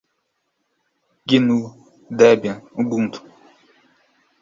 gnu, debian, ubuntu